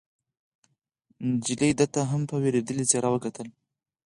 نجلۍ ده ته هم په وېرېدلې څېره وکتل.